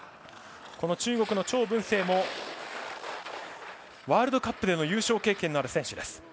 中国の張ぶん静もワールドカップでの優勝経験のある選手です。